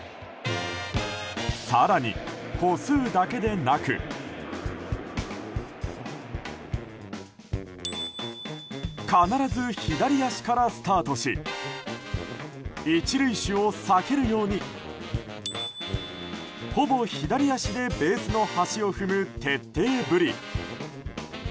更に、歩数だけでなく必ず左足からスタートし１塁手を避けるようにほぼ左足でベースの端を踏む徹底ぶり。